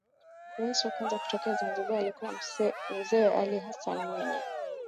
Rais wa kwanza kutokea Zanzibar alikuwa Mzee Ali Hassan Mwinyi